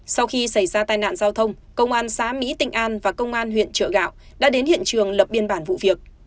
sau khi xảy ra tai nạn giao thông công an xã mỹ tịnh an và công an huyện trợ gạo đã đến hiện trường lập biên bản vụ việc